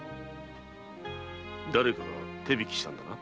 だれかが手引きしたんだな？